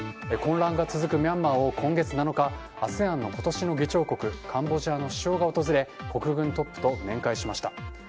混乱が続くミャンマーを今月７日ＡＳＥＡＮの今年の議長国カンボジアの首相が訪れ国軍トップと面会しました。